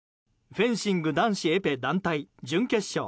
フェンシング男子エペ団体準決勝。